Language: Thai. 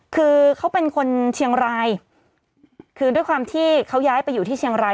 คือเขาเป็นคนเชียงรายคือด้วยความที่เขาย้ายไปอยู่ที่เชียงราย